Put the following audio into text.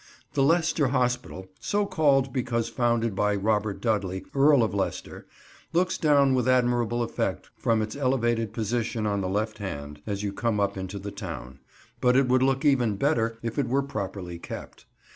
The Leicester Hospital, so called because founded by Robert Dudley, Earl of Leicester, looks down with admirable effect from its elevated position on the left hand, as you come up into the town; but it would look even better if it were properly kept.